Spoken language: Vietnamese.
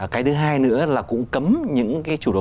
cái thứ hai nữa là cũng cấm những cái chủ thầu